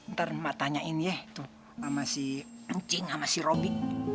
ntar ma tanyain ya tuh sama si engcing sama si robi